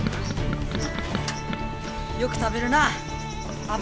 よく食べるなあ。